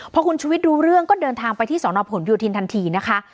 พอคุณชุวิตรู้เรื่องก็เดินทางไปที่สนผลโยธินทันทีนะคะ